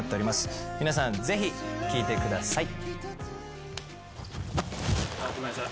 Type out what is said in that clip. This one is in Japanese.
皆さんぜひ聴いてください。